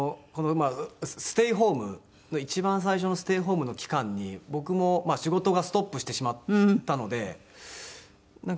ステイホーム一番最初のステイホームの期間に僕も仕事がストップしてしまったのでなんか